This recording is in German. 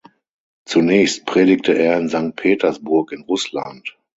Zunächst predigte er in Sankt Petersburg in Russland.